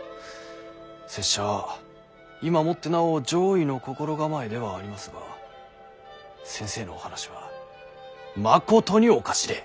拙者は今もってなお攘夷の心構えではありますが先生のお話はまことにおかしれぇ。